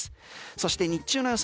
そして日中の予想